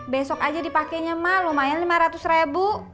besok aja dipakenya mak lumayan lima ratus ribu